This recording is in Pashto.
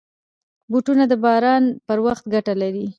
بوټونه د باران پر وخت ګټه لري.